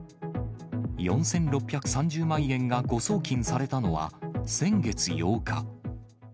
４６３０万円が誤送金されたのは、先月８日。